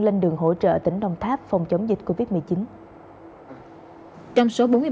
lên đường hỗ trợ tỉnh đồng tháp phòng chống dịch covid một mươi chín